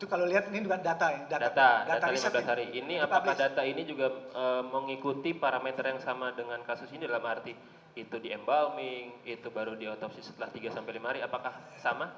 apakah data ini mengikuti parameter yang sama dengan kasus ini dalam arti itu di embalming itu baru di otopsi setelah tiga sampai lima hari apakah sama